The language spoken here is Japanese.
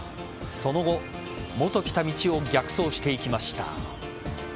その後、元来た道を逆走していきました。